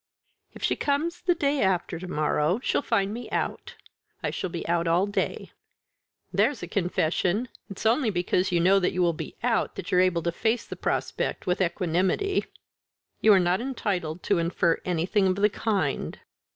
"If she comes the day after to morrow she'll find me out; I shall be out all day." "There's a confession! It's only because you know that you will be out that you're able to face the prospect with equanimity." "You are not entitled to infer anything of the kind."